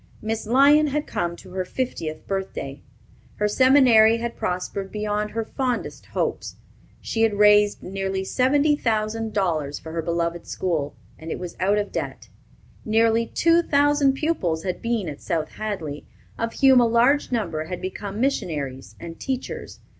Miss Lyon had come to her fiftieth birthday. Her seminary had prospered beyond her fondest hopes. She had raised nearly seventy thousand dollars for her beloved school, and it was out of debt. Nearly two thousand pupils had been at South Hadley, of whom a large number had become missionaries and teachers.